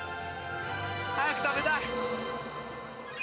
早く食べたい！